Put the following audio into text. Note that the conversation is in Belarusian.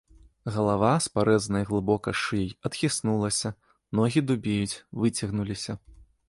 Галава з парэзанай глыбока шыяй адхіснулася, ногі дубеюць, выцягнуліся.